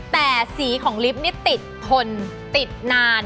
แต่สีของลิฟต์นี่ติดทนติดนาน